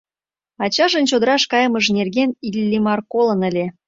Ачажын чодыраш кайымыже нерген Иллимар колын ыле.